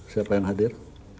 siapa yang hadir